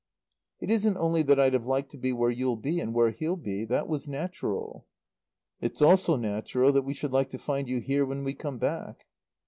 "It isn't only that I'd have liked to be where you'll be, and where he'll be. That was natural." "It's also natural that we should like to find you here when we come back."